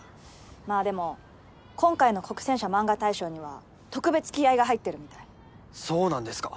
まあでも今回の黒泉社漫画大賞には特別気合いが入ってるみたいそうなんですか？